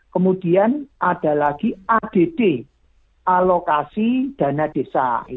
kemudian ada lagi add alokasi dana desa